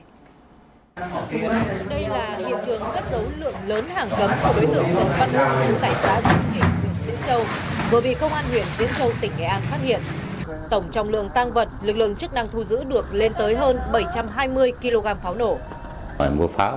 đây là hiện trường cất giấu lượng lớn hàng cấm của đối tượng trần phát ngũ tài xá dân khỉ huyện diễn châu